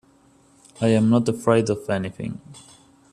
I'm not afraid of anything.